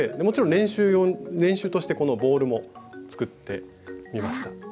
もちろん練習としてこのボールも作ってみました。